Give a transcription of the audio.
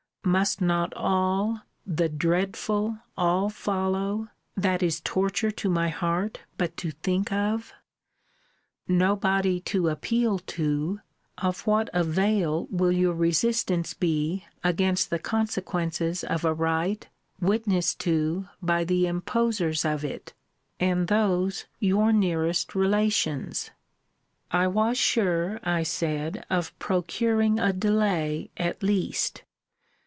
Must not all, the dreadful all follow, that is torture to my heart but to think of? Nobody to appeal to, of what avail will your resistance be against the consequences of a rite witnessed to by the imposers of it, and those your nearest relations? I was sure, I said, of procuring a delay at least.